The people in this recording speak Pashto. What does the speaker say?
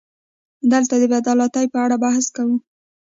دلته د بې عدالتۍ په اړه بحث کوو.